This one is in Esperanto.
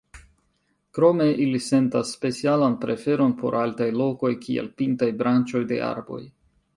Krome ili sentas specialan preferon por altaj lokoj, kiel pintaj branĉoj de arboj.